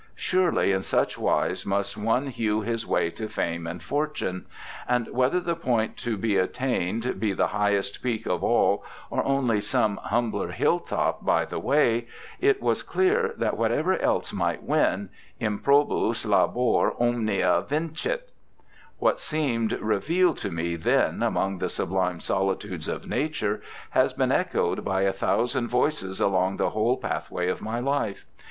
" Surel}^ in such wise must one hew his way to fame and fortune ; and whether the point to be attained be the highest peak of all, or only some humbler hill top by the way, it was clear that whatever else might win, improbiis labor omnia vincity What seemed revealed to me then among the sublime solitudes of nature has been echoed by a thou sand voices along the whole pathway of my life.